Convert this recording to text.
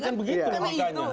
ya kan begitu maksudnya